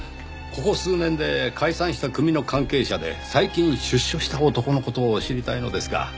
ここ数年で解散した組の関係者で最近出所した男の事を知りたいのですが。